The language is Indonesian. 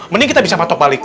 mending kita bisa masuk balik